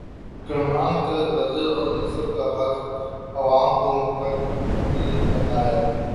حکمرانوں کے عزل و نصب کا حق عوام کو منتقل کرنا ہے۔